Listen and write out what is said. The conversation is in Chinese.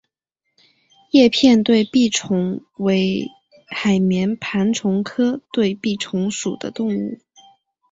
叶片对臂虫为海绵盘虫科对臂虫属的动物。